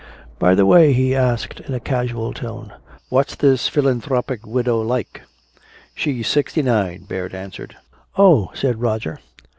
"By the way," he asked in a casual tone, "what's this philanthropic widow like?" "She's sixty nine," Baird answered. "Oh," said Roger.